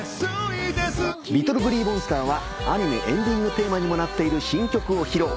ＬｉｔｔｌｅＧｌｅｅＭｏｎｓｔｅｒはアニメエンディングテーマにもなっている新曲を披露。